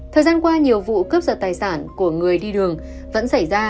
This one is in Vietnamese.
thời gian qua nhiều vụ cướp giật tài sản của người đi đường vẫn xảy ra